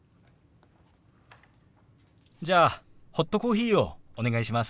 じゃあホットコーヒーをお願いします。